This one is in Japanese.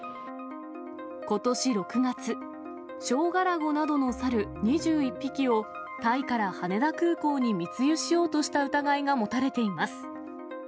ことし６月、ショウガラゴなどの猿２１匹を、タイから羽田空港に密輸しようとした疑いが持たれています。